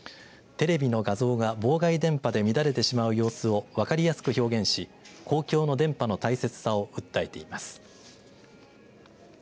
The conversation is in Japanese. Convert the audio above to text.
テレビの画像が妨害電波で乱れてしまう様子を分かりやすく表現し公共の電波の大切さを訴えています。